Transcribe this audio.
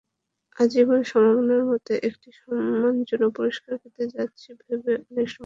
আজীবন সম্মাননার মতো একটি সম্মানজনক পুরস্কার পেতে যাচ্ছি ভেবে অনেক সম্মানিতবোধ করছি।